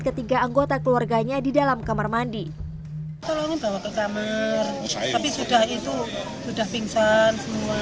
ketiga anggota keluarganya di dalam kamar mandi tolong bawa ke kamar tapi sudah itu sudah pingsan semua